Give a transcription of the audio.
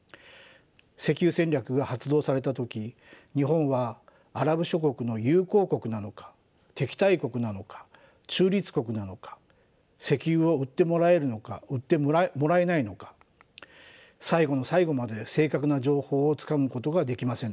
石油戦略が発動された時日本はアラブ諸国の友好国なのか敵対国なのか中立国なのか石油を売ってもらえるのか売ってもらえないのか最後の最後まで正確な情報をつかむことができませんでした。